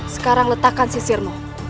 sekarang letakkan sisirmu